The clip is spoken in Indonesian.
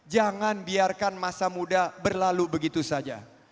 jangan biarkan masa muda berlalu begitu saja